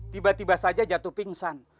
tiba tiba saja jatuh pingsan